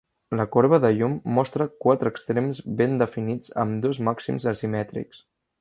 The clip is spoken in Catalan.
La corba de llum mostra "quatre extrems ben definits amb dos màxims asimètrics".